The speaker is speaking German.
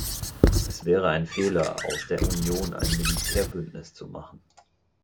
Es wäre ein Fehler, aus der Union ein Militärbündnis zu machen.